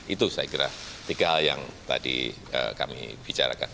itu saya kira tiga hal yang tadi kami bicarakan